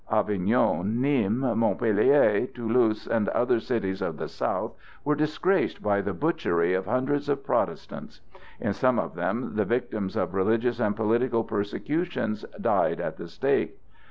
Avignon, Nîmes, Montpellier, Toulouse and other cities of the South were disgraced by the butchery of hundreds of Protestants; in some of them the victims of religious and political persecution died at the stake.